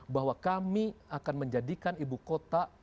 bahwa kami akan menjadikan ibu kota